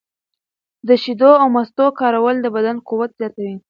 د شیدو او مستو کارول د بدن قوت زیاتوي.